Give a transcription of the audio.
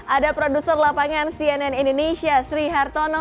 ada produser lapangan cnn indonesia sri hartono